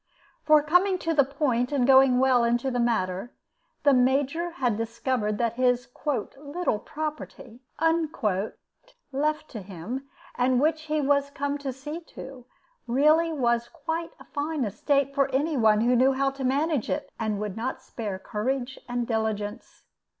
For, coming to the point, and going well into the matter, the Major had discovered that the "little property" left to him, and which he was come to see to, really was quite a fine estate for any one who knew how to manage it, and would not spare courage and diligence.